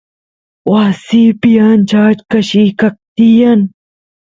wasiypi ancha achka llika tiyan